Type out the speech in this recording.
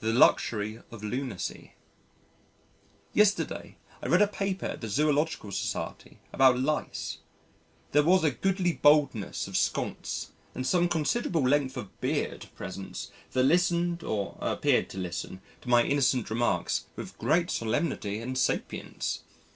The Luxury of Lunacy Yesterday, I read a paper at the Zoological Society about lice. There was a goodly baldness of sconce and some considerable length of beard present that listened or appeared to listen to my innocent remarks with great solemnity and sapience....